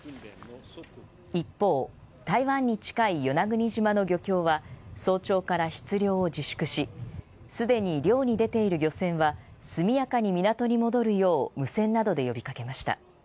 一方、台湾に近い与那国島の漁協は早朝から出港を自粛しすでに漁に出ている漁船は速やかに港に戻るよう無線などで呼び掛けました。